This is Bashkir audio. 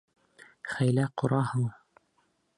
Хәйлә ҡораһың!